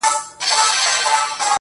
نن مي بيا ټوله شپه,